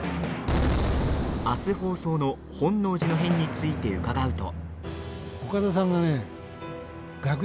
明日、放送の本能寺の変について伺うと。